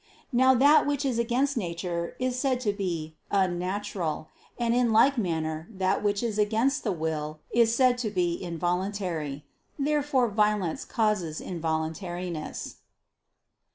Now that which is against nature is said to be "unnatural"; and in like manner that which is against the will is said to be "involuntary." Therefore violence causes involuntariness.